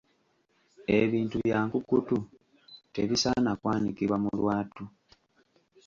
Ebintu bya nkukutu tebisaana kwanikibwa mu lwatu.